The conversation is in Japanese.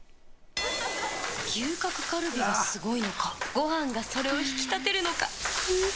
牛角カルビがすごいのか、ご飯がそれを引き立てるのか？